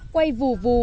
quay vù vù